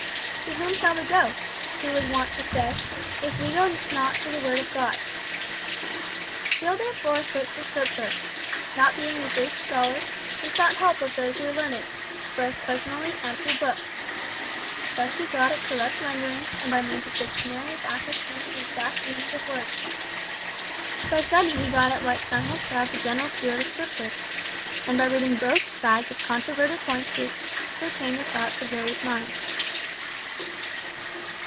"To whom shall we go," she was wont to say, "if we go not to the Word of God?" Phil therefore searched the Scripture. Not being a Greek scholar, he sought help of those who were learned both personally and through books. Thus he got at correct renderings, and by means of dictionaries ascertained the exact meanings of words. By study he got at what some have styled the general spirit of Scripture, and by reading both sides of controverted points he ascertained the thoughts of various minds.